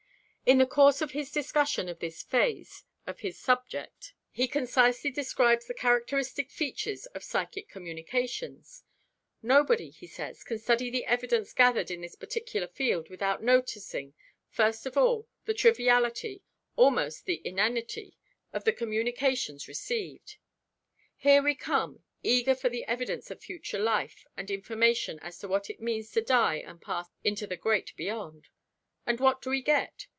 In the course of his discussion of this phase of his subject he concisely describes the characteristic features of psychic communications. "Nobody," he says, "can study the evidence gathered in this particular field without noticing, first of all, the triviality, almost the inanity, of the communications received. Here we come, eager for the evidence of future life and information as to what it means to die and pass into the great beyond. And what do we get?